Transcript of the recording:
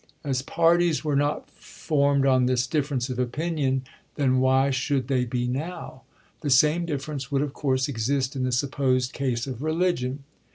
As parties were not formed on this difference ch. xvii. of opinion then, why should they be now? The same difference would, of course, exist in the supposed case of religion.